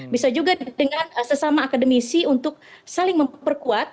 bisa juga dengan sesama akademisi untuk saling memperkuat